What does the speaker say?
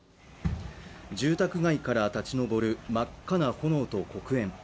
住宅街から立ち上る真っ赤な炎と黒煙。